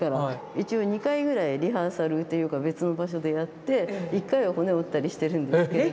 一応２回ぐらいリハーサルというか別の場所でやって１回は骨を折ったりしてるんですけれど。